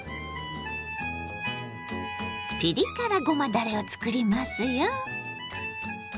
ピリ辛ごまだれを作りますよ。